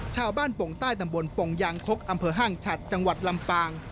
ปงใต้ตำบลปงยางคกอำเภอห้างฉัดจังหวัดลำปาง